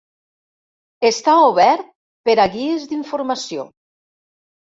Està obert per a guies d'informació.